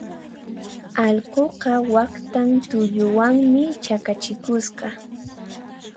Allquqa waqtan tulluwanmi chakachikusqa.